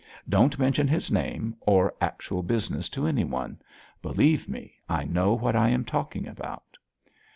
Don't mention his name or actual business to anyone. Believe me, I know what I am talking about.'